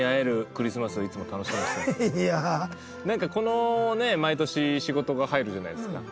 なんかこの毎年仕事が入るじゃないですか。